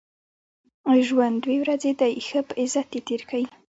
ژوند دوې ورځي دئ؛ ښه په عزت ئې تېر کئ!